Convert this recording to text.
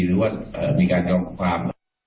หรือว่ามีการยอมความ